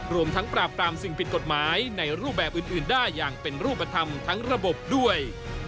รวมทั้งปราบปรามสิ่งผิดกฎหมายในรูปแบบอื่นได้อย่างเป็นรูปธรรมทั้งระบบด้วย